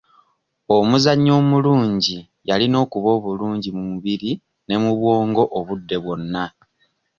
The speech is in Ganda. Omuzanyi omulungi yalina okuba obulungi mu mubiri ne mu bwongo obudde bwonna.